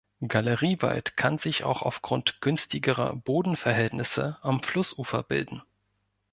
Galeriewald kann sich auch aufgrund günstigerer Bodenverhältnisse am Flussufer bilden.